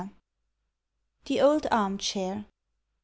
THE OLD ARM CHAIR.